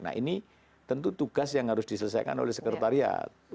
nah ini tentu tugas yang harus diselesaikan oleh sekretariat